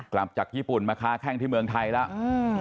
กลับจากญี่ปุ่นมาค้าแข้งที่เมืองไทยแล้ว